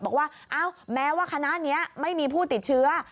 บอกว่าแม้ว่าคณะนี้ไม่มีผู้ติดเชื้อ